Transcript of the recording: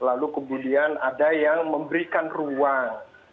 lalu kemudian ada yang memberikan ruang